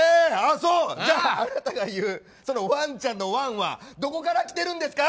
あなたが言うワンちゃんのワンはどこから来てるんですか？